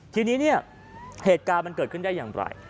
ทีนี้เนี่ยเหตุการณ์มันเกิดขึ้นได้อย่างไร